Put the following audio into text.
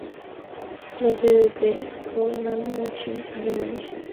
La sede está en Korntal-Münchingen, Alemania.